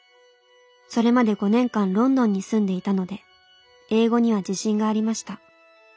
それまで５年間ロンドンに住んでいたので英語には自信がありました。